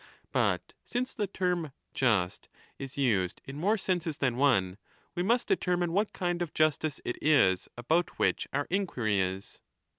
But since the term ' just ' is used in more senses than one, we must determine what kind of justice it is about which our inquiry is.